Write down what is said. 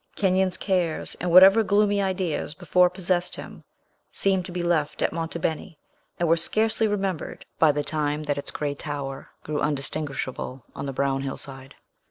Kenyon's cares, and whatever gloomy ideas before possessed him, seemed to be left at Monte Beni, and were scarcely remembered by the time that its gray tower grew undistinguishable on the brown hillside.